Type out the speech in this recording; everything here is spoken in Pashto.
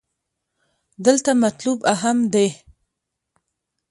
دلته مطلوب اهم دې.